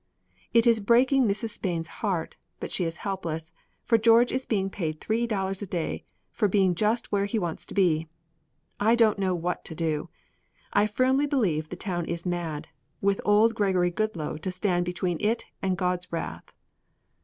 It is breaking Mrs. Spain's heart, but she is helpless, for George is being paid three dollars a day for being just where he wants to be. I don't know what to do. I firmly believe the town is mad, with only Gregory Goodloe to stand between it and God's wrath."